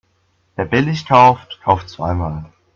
Wer billig kauft, kauft zweimal.